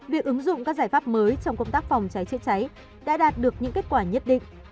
việc ứng dụng các giải pháp mới trong công tác phòng cháy chữa cháy đã đạt được những kết quả nhất định